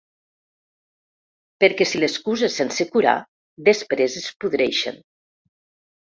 Perquè si les cuses sense curar després es podreixen.